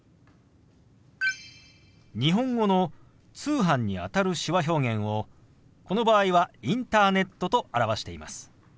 日本語の「通販」にあたる手話表現をこの場合は「インターネット」と表しています。